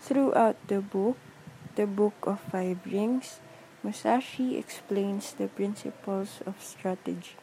Throughout the book, "The Book of Five Rings", Musashi explains the principles of strategy.